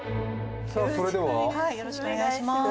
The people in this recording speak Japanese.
さあそれではよろしくお願いします